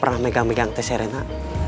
pernah megang megang t serena